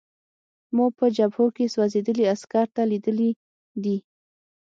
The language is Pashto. ما په جبهو کې سوځېدلي عسکر لیدلي دي